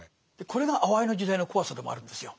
これがあわいの時代の怖さでもあるんですよ。